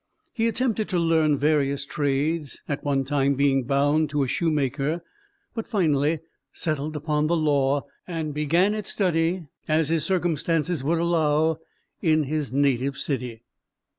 He attempted to learn various trades, at one time being bound to a shoemaker, but finally settled upon the law and began its study, as his circumstances would allow, in his native city.